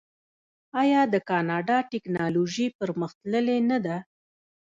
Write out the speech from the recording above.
آیا د کاناډا ټیکنالوژي پرمختللې نه ده؟